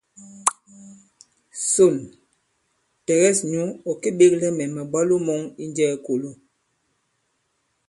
Sôn, tɛ̀gɛs nyǔ ɔ̀ kê-beglɛ mɛ̀ màbwalo mɔ̄ŋ i Njɛɛ̄-Kōlo.